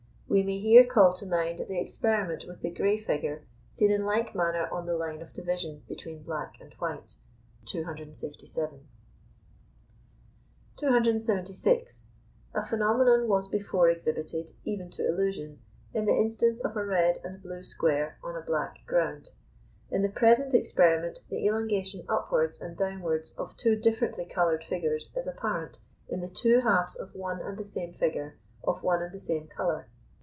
We may here call to mind the experiment with the grey figure seen in like manner on the line of division between black and white (257). 276. A phenomenon was before exhibited, even to illusion, in the instance of a red and blue square on a black ground; in the present experiment the elongation upwards and downwards of two differently coloured figures is apparent in the two halves of one and the same figure of one and the same colour.